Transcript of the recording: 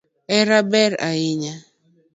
Hera ber ahinya